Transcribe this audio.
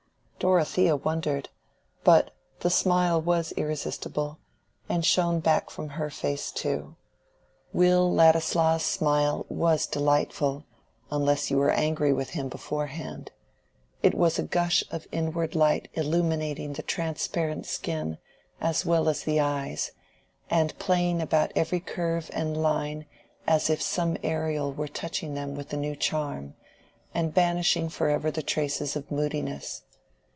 Dorothea wondered; but the smile was irresistible, and shone back from her face too. Will Ladislaw's smile was delightful, unless you were angry with him beforehand: it was a gush of inward light illuminating the transparent skin as well as the eyes, and playing about every curve and line as if some Ariel were touching them with a new charm, and banishing forever the traces of moodiness.